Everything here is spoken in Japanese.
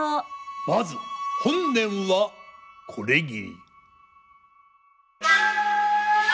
まず本年はこれぎり。